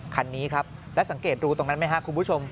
คันนี้ครับแล้วสังเกตรูตรงนั้นไหมครับคุณผู้ชม